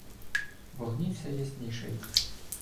Вогні все яснішають.